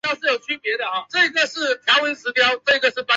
多数过氯酸盐可溶于水。